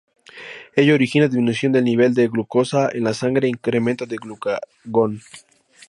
Ello origina disminución del nivel de glucosa en la sangre e incremento de glucagón.